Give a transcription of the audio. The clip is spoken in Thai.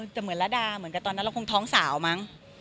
แต่เหมือนระดาเหมือนกับตอนนั้นเราคงท้องสาวมั้ง